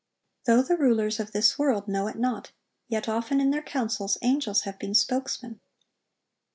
Though the rulers of this world know it not, yet often in their councils angels have been spokesmen.